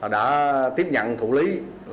đã tiếp nhận thủ lý